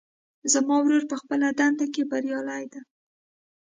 زما ورور په خپله دنده کې بریالی ده